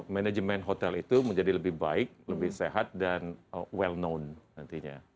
manajemen hotel itu menjadi lebih baik lebih sehat dan well known nantinya